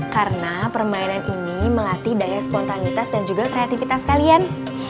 karena permainan ini melatih daya spontanitas dan juga kreativitas kalian